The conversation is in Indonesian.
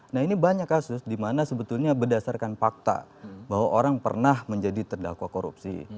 nah ini banyak kasus dimana sebetulnya berdasarkan fakta bahwa orang pernah menjadi terdakwa korupsi